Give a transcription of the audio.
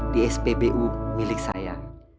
di spbu milik saya